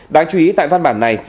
đáng chú ý tại văn bản này